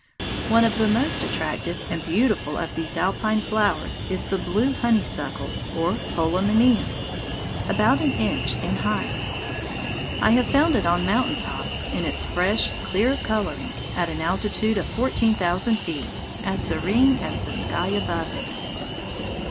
One of the most attractive and beautiful of these alpine flowers is the blue honeysuckle or polemonium, about an inch in height. I have found it on mountain tops, in its fresh, clear coloring, at an altitude of fourteen thousand feet, as serene as the sky above it.